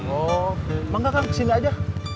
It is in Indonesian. oh emang gak kang kesini aja